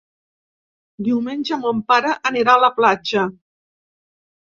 Diumenge mon pare anirà a la platja.